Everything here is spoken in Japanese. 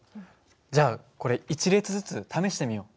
じゃあこれ１列ずつ試してみよう。